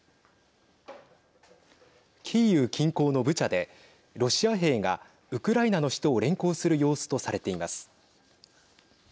キーウ近郊のブチャでロシア兵がウクライナの人を連行する様子とされています。